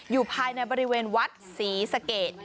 อยู่ภายในบริเวณวัดศรีสะเกด